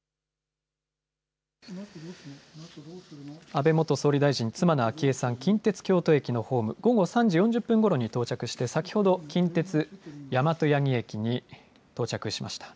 安倍元総理大臣、妻の昭恵さん、近鉄京都駅のホーム、午後３時４０分ごろに到着して、先ほど近鉄大和八木駅に到着しました。